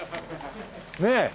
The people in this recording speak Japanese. ねえ？